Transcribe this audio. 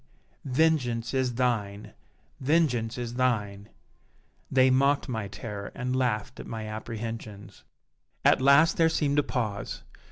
vengeance is thine! vengeance is thine!' They mocked my terror and laughed at my apprehensions. "At last there seemed a pause.